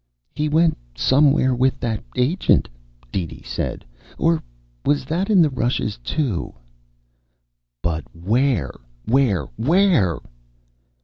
"He went somewhere with that agent," DeeDee said. "Or was that in the rushes too?" "But where, where, where?"